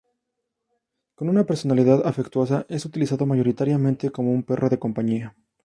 Con una personalidad afectuosa, es utilizado mayoritariamente como un perro de compañía.